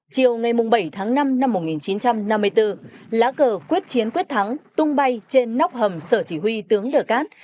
chiều ngày bảy tháng năm năm một nghìn chín trăm năm mươi bốn lá cờ quyết chiến quyết thắng tung bay trên nóc hầm sở chỉ huy tướng đờ cát